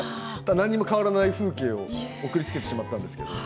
何も変わらない風景を送りつけてしまったんですけれども。